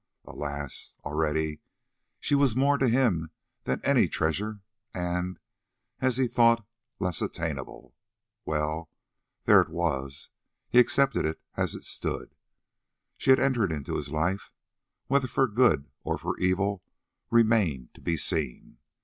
Alas! already she was more to him than any treasure, and, as he thought, less attainable. Well, there it was, he accepted it as it stood. She had entered into his life, whether for good or for evil remained to be seen.